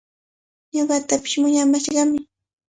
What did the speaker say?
Ñuqatapish muyamashqami.